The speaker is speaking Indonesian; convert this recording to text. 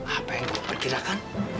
apa yang gue perkirakan